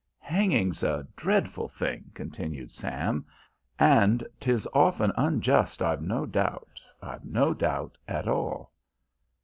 "Hanging's a dreadful thing," continued Sam, "and 'tis often unjust I've no doubt, I've no doubt at all."